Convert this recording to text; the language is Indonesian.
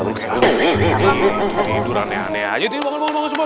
bangun bangun bangun bangun